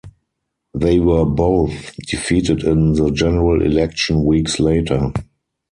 They were both defeated in the general election weeks later.